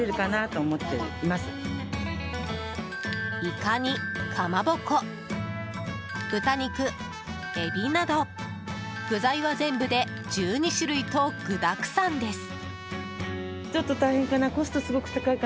イカに、かまぼこ、豚肉エビなど具材は全部で１２種類と具だくさんです。